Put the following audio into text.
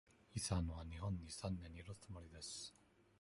イさんは日本に三年いるつもりです。